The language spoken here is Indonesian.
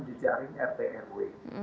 di jaring rtrw